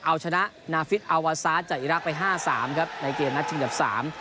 เอาชนะนาฟิศอาวาซาจากอิรักไป๕๓ครับในเกมนักชิงทรัพย์๓